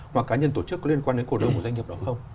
mà cá nhân tổ chức có liên quan đến cổ đông của doanh nghiệp đó không